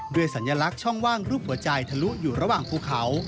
สัญลักษณ์ช่องว่างรูปหัวใจทะลุอยู่ระหว่างภูเขา